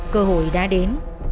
cơ hội đã đến